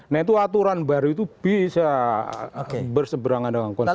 nah itu aturan baru itu bisa berseberangan dengan konstitusi